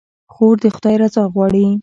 خور د خدای رضا غواړي.